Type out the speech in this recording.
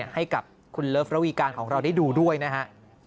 ให้กับคุณเลิฟระวีการของเราได้ดูด้วยนะฮะ